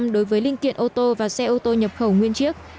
đối với linh kiện ô tô và xe ô tô nhập khẩu nguyên chiếc